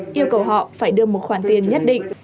yêu cầu họ phải đưa một khoản tiền nhất định